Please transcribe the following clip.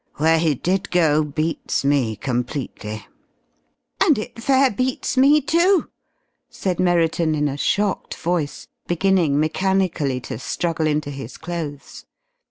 Where he did go beats me completely!" "And it fair beats me, too!" said Merriton, in a shocked voice, beginning mechanically to struggle into his clothes.